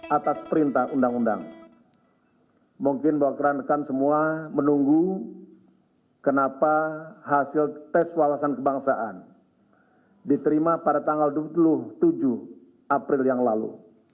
atas perintah undang undang mungkin bahwa keran rekan semua menunggu kenapa hasil tes wawasan kebangsaan diterima pada tanggal dua puluh tujuh april yang lalu